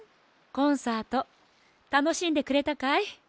コンサートたのしんでくれたかい？